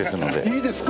いいですか？